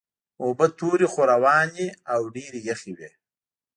اوبه تورې خو روانې او ډېرې یخې وې.